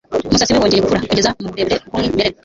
Umusatsi we wongeye gukura kugeza muburebure bwumwimerere